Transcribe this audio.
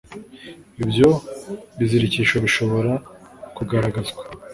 ibyo bizirikisho bishobora kugaragazwa